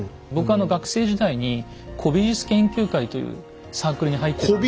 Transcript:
僕あの学生時代に古美術研究会というサークルに入ってた。